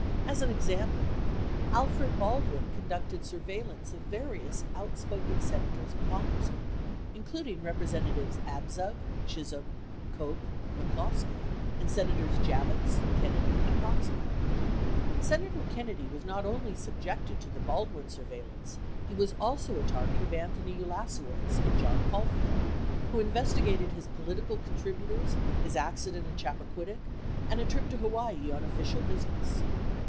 As an example, Alfred Baldwin conducted surveillance of various outspoken Senators and Congressmen, including Representatives Abzug, Chisholm, Koch, and McCloskey, and Senators Javits, Kennedy, and Proxmire. 55 Senator Kennedy was not only subjected to the Baldwin surveil lance, he was also a target of Anthony Ulasewicz and John Caulfield, who investigated his political contributors, his accident at Chappaquiddick, and a trip to Hawaii on official business.